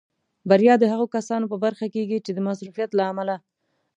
بریا د هغو کسانو په برخه کېږي چې د مصروفیت له امله.